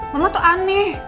mama tuh aneh